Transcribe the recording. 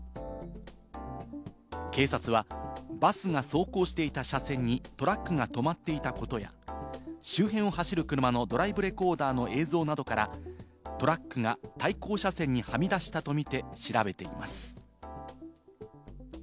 警察はバスが走行していた車線にトラックが止まっていたことや、周辺を走る車のドライブレコーダーの映像などから、トラックが対向車線にはみ出したとみて調べています。